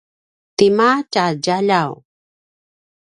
tima tja djaljaw?